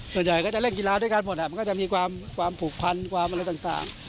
ส่วนใหญ่ก็จะเล่นกีฬาด้วยกันหมดมันก็จะมีความผูกพันความอะไรต่าง